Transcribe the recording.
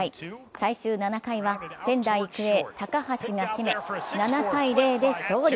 最終７回は仙台育英・高橋が締め、７−０で勝利。